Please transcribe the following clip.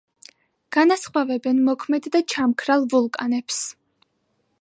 განასხვავებენ მოქმედ და ჩამქრალ ვულკანებს.